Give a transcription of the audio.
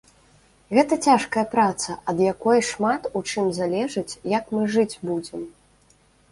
Гэта цяжкая праца, ад якой шмат у чым залежыць, як мы жыць будзем.